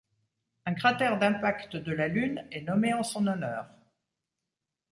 Un cratère d'impact de la Lune est nommé en son honneur.